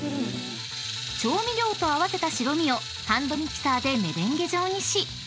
［調味料と合わせた白身をハンドミキサーでメレンゲ状にし］